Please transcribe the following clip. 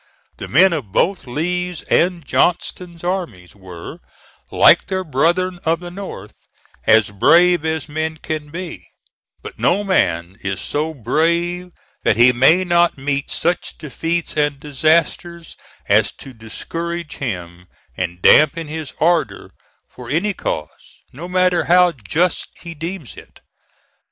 The men of both Lee's and Johnston's armies were, like their brethren of the North, as brave as men can be; but no man is so brave that he may not meet such defeats and disasters as to discourage him and dampen his ardor for any cause, no matter how just he deems it.